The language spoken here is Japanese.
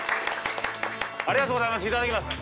ありがとうございます。